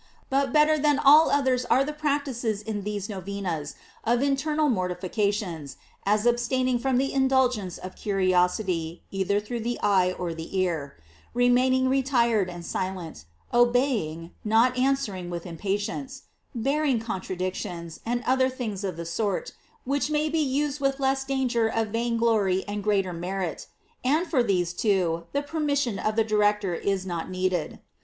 But better than all others are the practices in these Novenas of internal mortifica tions, as abstaining from the indulgence of cu riosity, either through the eye or the ear ; re maining retired and silent ; obeying, not answer ing with impatience ; bearing contradictions, and other things of the sort, which may be used with less danger of vainglory and greater mer it ; and for these, too, the permission of a direc tor is not needed.